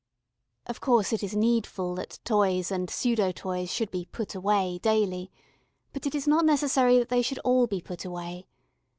Of course it is needful that toys and pseudo toys should be "put away" daily, but it is not necessary that they should all be put away.